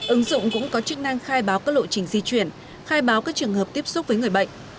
ứng dụng cũng có chức năng khai báo các lộ trình di chuyển khai báo các trường hợp tiếp xúc với người bệnh